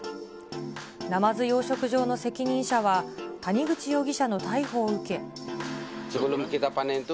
ナマズ養殖場の責任者は谷口容疑者の逮捕を受け。